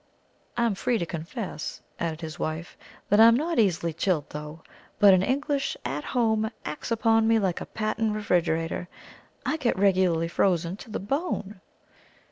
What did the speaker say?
"I'm free to confess," added his wife, "that I'm not easily chilled through. But an English 'at home' acts upon me like a patent refrigerator I get regularly frozen to the bone!"